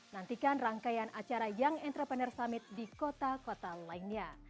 nantikan rangkaian acara young entrepreneur summit di kota kota lainnya